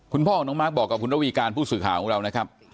คุณพ่อของน้องมาร์คบอกกับคุณระวีการผู้สื่อข่าวของเรานะครับ